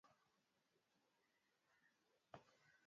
karibu na sehemu ya Dunia kutona na athari zinazotokea vichafuzi fulani